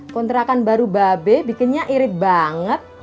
kontrakan baru babe bikinnya irit banget